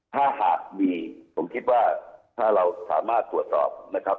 ถ้าหากมีผมคิดว่าถ้าเราสามารถตรวจสอบนะครับ